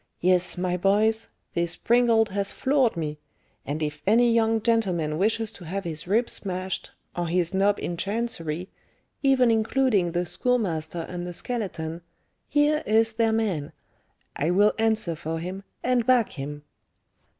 Yes, my boys, this springald has floored me; and if any young gentleman wishes to have his ribs smashed, or his 'nob in Chancery,' even including the Schoolmaster and the Skeleton, here is their man; I will answer for him, and back him!"